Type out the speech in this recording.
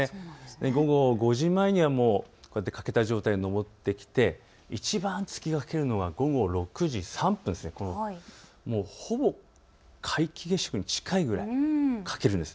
午後５時前にはもう欠けた状態で上ってきていちばん月が欠けるのは午後６時３分、ほぼ皆既月食に近いぐらい欠けるんです。